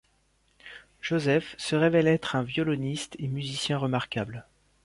Josef se révèle être un violoniste et musicien remarquable.